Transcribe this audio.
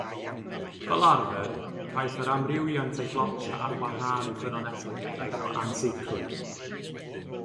Fel arfer, caiff yr amrywiant ei blotio ar wahân i ffynonellau eraill o ansicrwydd.